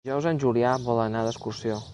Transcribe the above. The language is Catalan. Dijous en Julià vol anar d'excursió.